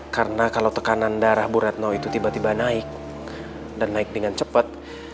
karena kalau tekanan darah bu retno itu tiba tiba naik dan naik dengan cepat